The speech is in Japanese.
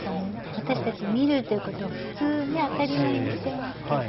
私たち「見る」ということを普通ね当たり前にしてますけども。